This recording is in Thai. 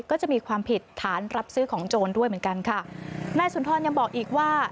ก็จะมีความผิดฐานรับซื้อของโจรด้วยเหมือนกันค่ะนายสุนทรยังบอกอีกว่า